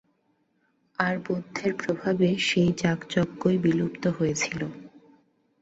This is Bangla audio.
আর বুদ্ধের প্রভাবে সেই যাগযজ্ঞই বিলুপ্ত হয়েছিল।